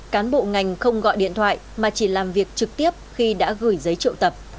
cán bộ ngành không gọi điện thoại mà chỉ làm việc trực tiếp khi đã gửi giấy triệu tập